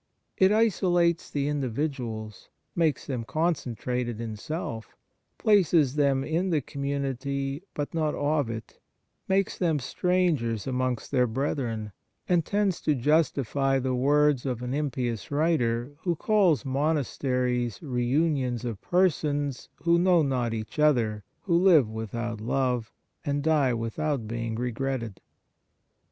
It isolates the individuals, makes them concen trated in self, places them in the community, but not of it, makes them strangers amongst their brethren, and tends to justify the words of an impious writer, who calls monasteries " reunions of persons who know not each other, who live without love, and die without being regretted."